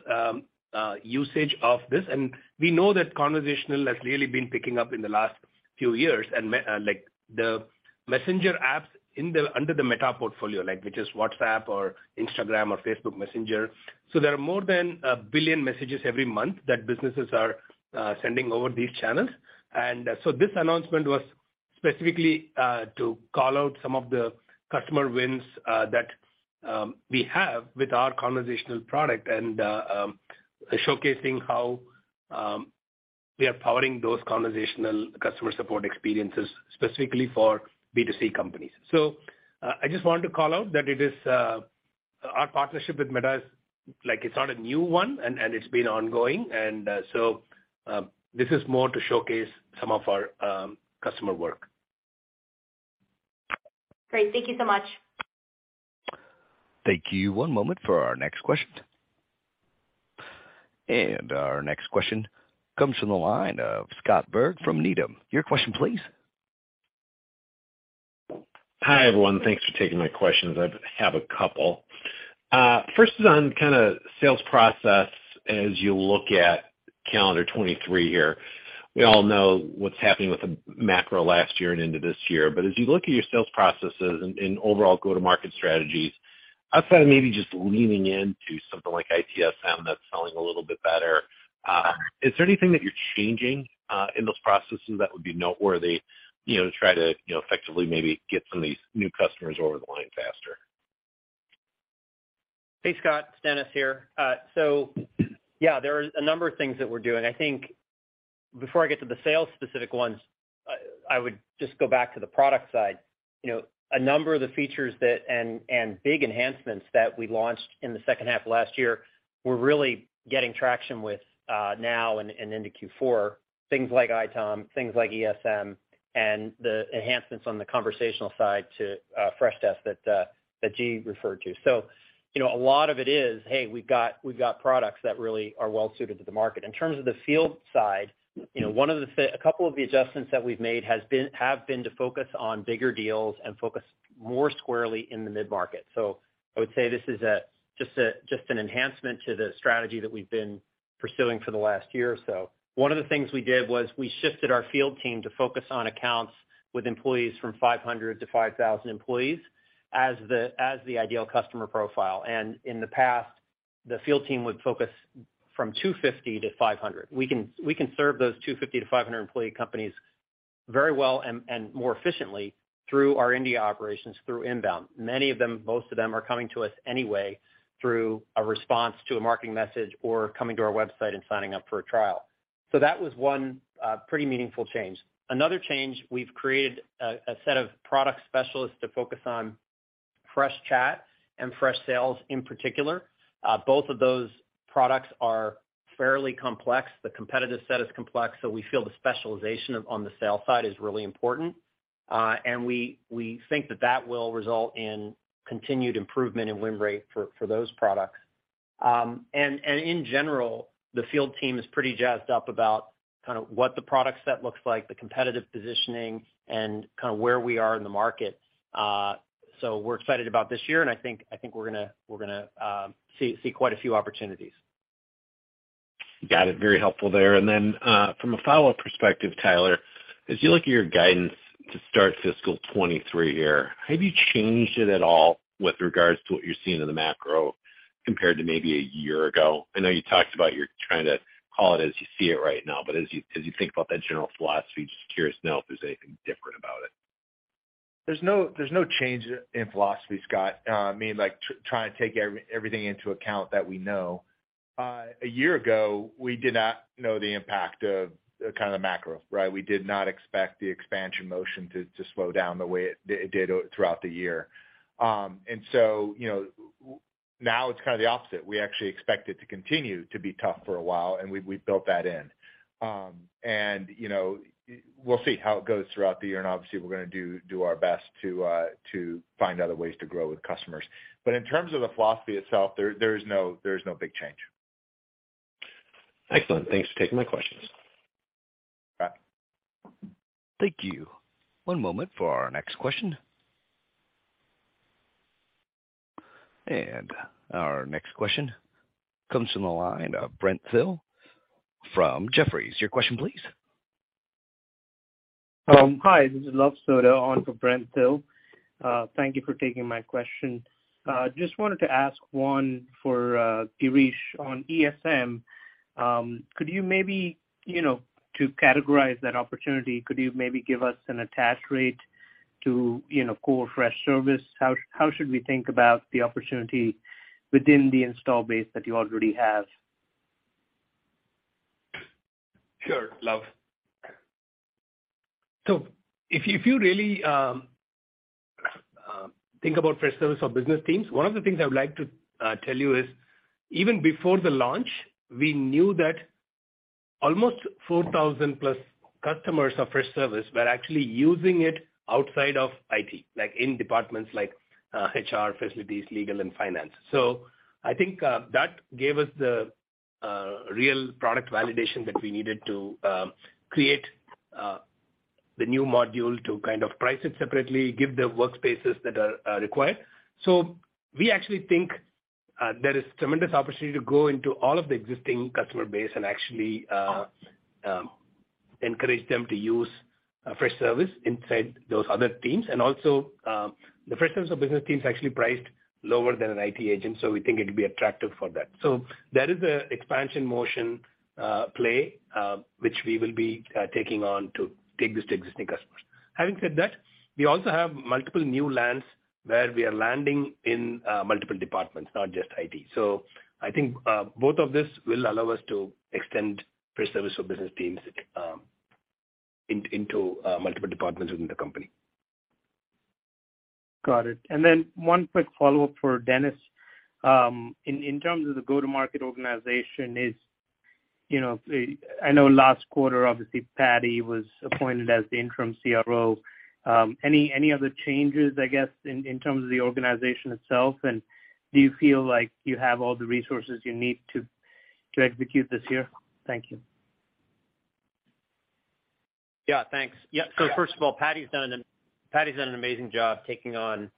usage of this. We know that conversational has really been picking up in the last few years, like the Messenger apps under the Meta portfolio, which is WhatsApp or Instagram or Facebook Messenger. There are more than a billion messages every month that businesses are sending over these channels. This announcement was specifically to call out some of the customer wins that we have with our conversational product and showcasing how we are powering those conversational customer support experiences, specifically for B2C companies. I just want to call out that it is our partnership with Meta is like, it's not a new one, and it's been ongoing. This is more to showcase some of our customer work.
Great. Thank you so much.
Thank you. One moment for our next question. Our next question comes from the line of Scott Berg from Needham. Your question, please.
Hi, everyone. Thanks for taking my questions. I have a couple. First is on kinda sales process as you look at calendar 2023 here. We all know what's happening with the macro last year and into this year. As you look at your sales processes and overall go-to-market strategies, outside of maybe just leaning into something like ITSM that's selling a little bit better, is there anything that you're changing in those processes that would be noteworthy, you know, to try to, you know, effectively maybe get some of these new customers over the line faster?
Hey, Scott, it's Dennis here. Yeah, there are a number of things that we're doing. I think before I get to the sales specific ones, I would just go back to the product side. You know, a number of the features that and big enhancements that we launched in the second half of last year, we're really getting traction with now and into Q4, things like ITOM, things like ESM, and the enhancements on the conversational side to Freshdesk that G referred to. You know, a lot of it is, hey, we've got products that really are well suited to the market. In terms of the field side, you know, one of the a couple of the adjustments that we've made have been to focus on bigger deals and focus more squarely in the mid-market. I would say this is just an enhancement to the strategy that we've been pursuing for the last year or so. One of the things we did was we shifted our field team to focus on accounts with employees from 500-5,000 employees as the ideal customer profile. In the past, the field team would focus from 250-500. We can serve those 250-500 employee companies very well and more efficiently through our India operations, through inbound. Many of them, most of them are coming to us anyway through a response to a marketing message or coming to our website and signing up for a trial. That was one pretty meaningful change. Another change, we've created a set of product specialists to focus on Freshchat and Freshsales in particular. Both of those products are fairly complex. The competitive set is complex, so we feel the specialization on the sales side is really important. We think that that will result in continued improvement in win rate for those products. In general, the field team is pretty jazzed up about kinda what the product set looks like, the competitive positioning and kinda where we are in the market. We're excited about this year, and I think we're gonna see quite a few opportunities.
Got it. Very helpful there. From a follow-up perspective, Tyler, as you look at your guidance to start fiscal 2023 here, have you changed it at all with regards to what you're seeing in the macro compared to maybe a year ago? I know you talked about you're trying to call it as you see it right now, but as you think about that general philosophy, just curious to know if there's anything different about it.
There's no, there's no change in philosophy, Scott. I mean, like, trying to take everything into account that we know. A year ago, we did not know the impact of kinda the macro, right? We did not expect the expansion motion to slow down the way it did throughout the year. You know, now it's kinda the opposite. We actually expect it to continue to be tough for a while, and we've built that in. You know, we'll see how it goes throughout the year, and obviously, we're gonna do our best to find other ways to grow with customers. In terms of the philosophy itself, there is no, there is no big change.
Excellent. Thanks for taking my questions.
Okay.
Thank you. One moment for our next question. Our next question comes from the line of Brent Thill from Jefferies. Your question, please.
Hi, this is Luv Sodha on for Brent Thill. Thank you for taking my question. Just wanted to ask one for Girish on ESM. Could you maybe, you know, to categorize that opportunity, could you maybe give us an attach rate to, you know, core Freshservice? How should we think about the opportunity within the install base that you already have?
Sure, Luv. If you really think about Freshservice or Freshservice for Business Teams, one of the things I would like to tell you is even before the launch, we knew that almost 4,000+ customers of Freshservice were actually using it outside of IT, like in departments like HR, facilities, legal, and finance. I think that gave us the real product validation that we needed to create the new module to kind of price it separately, give the workspaces that are required. We actually think there is tremendous opportunity to go into all of the existing customer base and actually encourage them to use Freshservice inside those other teams. Also, the Freshservice for business teams actually priced lower than an IT agent. We think it'll be attractive for that. There is an expansion motion play which we will be taking on to take this to existing customers. Having said that, we also have multiple new lands where we are landing in multiple departments, not just IT. I think both of this will allow us to extend Freshservice for business teams into multiple departments within the company.
Got it. One quick follow-up for Dennis. In terms of the go-to-market organization is, you know, I know last quarter, obviously, Patty was appointed as the interim CRO. Any, any other changes, I guess, in terms of the organization itself, and do you feel like you have all the resources you need to execute this year? Thank you.
Thanks. First of all, Patty's done an amazing job taking on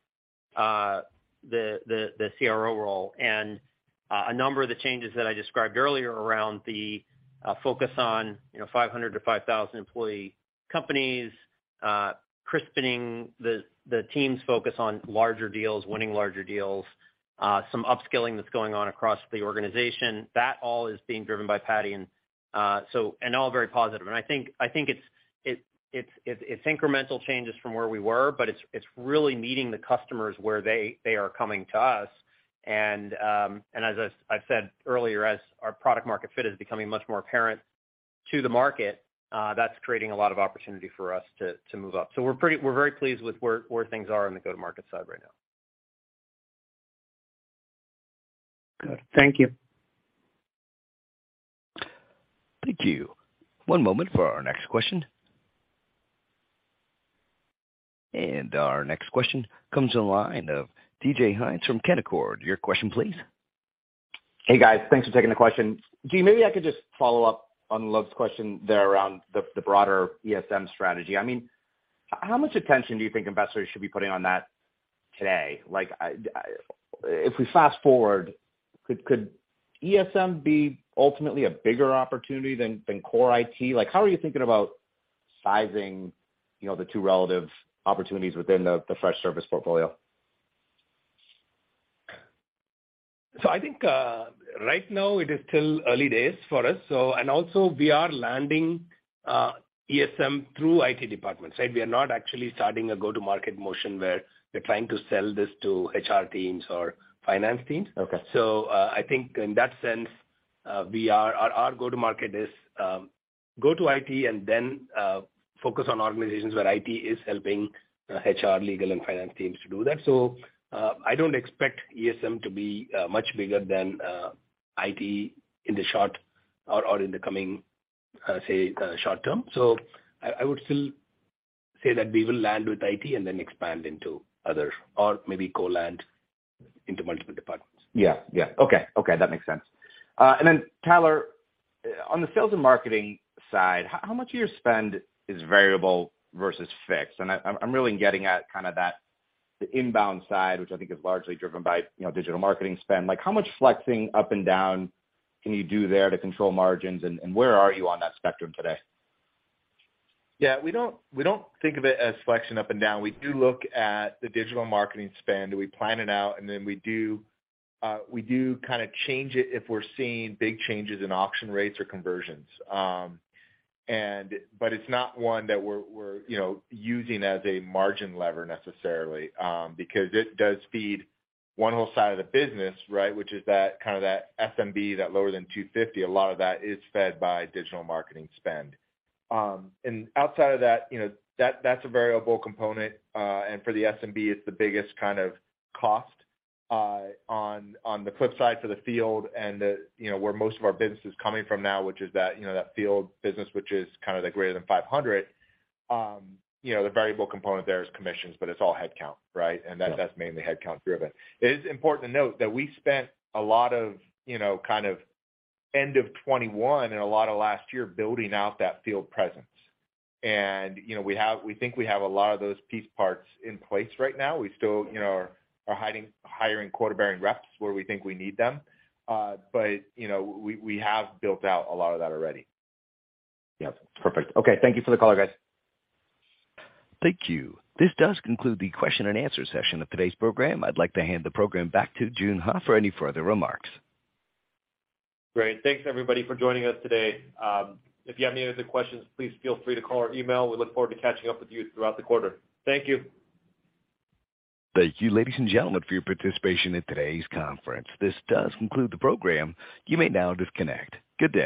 the CRO role. A number of the changes that I described earlier around the focus on, you know, 500-5,000 employee companies, crispening the team's focus on larger deals, winning larger deals, some upskilling that's going across the organization, that all is being driven by Patty. All very positive. I think it's incremental changes from where we were, but it's really meeting the customers where they are coming to us. As I said earlier, as our product market fit is becoming much more apparent to the market, that's creating a lot of opportunity for us to move up. We're very pleased with where things are on the go-to-market side right now.
Good. Thank you.
Thank you. One moment for our next question. Our next question comes on the line of DJ Hynes from Canaccord. Your question, please.
Hey, guys. Thanks for taking the question. Girish, maybe I could just follow up on Luv's question there around the broader ESM strategy. I mean, how much attention do you think investors should be putting on that today? Like, if we fast-forward, could ESM be ultimately a bigger opportunity than core IT? Like, how are you thinking about sizing, you know, the two relative opportunities within the Freshservice portfolio?
I think, right now it is still early days for us. And also we are landing, ESM through IT departments, right? We are not actually starting a go-to-market motion where we're trying to sell this to HR teams or finance teams.
Okay.
I think in that sense, Our go-to-market is go to IT and then focus on organizations where IT is helping HR, legal, and finance teams to do that. I don't expect ESM to be much bigger than IT in the short or in the coming short term. I would still say that we will land with IT and then expand into other or maybe co-land into multiple departments.
Yeah. Yeah. Okay. Okay, that makes sense. Then, Tyler, on the sales and marketing side, how much of your spend is variable versus fixed? I'm really getting at kinda the inbound side, which I think is largely driven by, you know, digital marketing spend. Like, how much flexing up and down can you do there to control margins, and where are you on that spectrum today?
We don't think of it as flexing up and down. We do look at the digital marketing spend, and we plan it out, and then we do kinda change it if we're seeing big changes in auction rates or conversions. But it's not one that we're, you know, using as a margin lever necessarily, because it does feed one whole side of the business, right? Which is that kind of SMB, that lower than 250, a lot of that is fed by digital marketing spend. Outside of that, you know, that's a variable component, and for the SMB, it's the biggest kind of cost. On the flip side for the field and the, you know, where most of our business is coming from now, which is that, you know, that field business, which is kind of the greater than 500, you know, the variable component there is commissions, but it's all headcount, right?
Yeah.
That's mainly headcount driven. It is important to note that we spent a lot of, you know, kind of end of 2021 and a lot of last year building out that field presence. You know, We think we have a lot of those piece parts in place right now. We still, you know, are hiring quota-bearing reps where we think we need them. You know, we have built out a lot of that already.
Yep. Perfect. Okay. Thank you for the color, guys.
Thank you. This does conclude the question and answer session of today's program. I'd like to hand the program back to Joon Huh for any further remarks.
Great. Thanks, everybody, for joining us today. If you have any other questions, please feel free to call or email. We look forward to catching up with you throughout the quarter. Thank you.
Thank you, ladies and gentlemen, for your participation in today's conference. This does conclude the program. You may now disconnect. Good day.